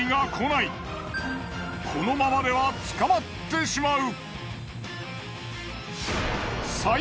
このままでは捕まってしまう！